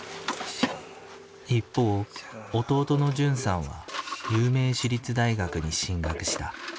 一方弟の純さんは有名私立大学に進学した。